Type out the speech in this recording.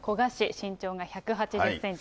身長が１８０センチ。